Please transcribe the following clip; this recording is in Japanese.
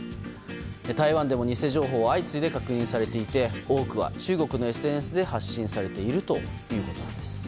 台湾でも、偽情報は相次いで確認されていて多くは中国のＳＮＳで発信されているということです。